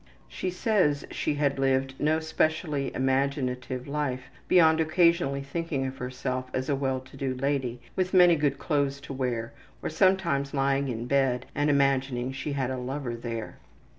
She says she had lived no specially imaginative life beyond occasionally thinking of herself as a well to do lady with many good clothes to wear, or sometimes lying in bed and imagining she had a lover there.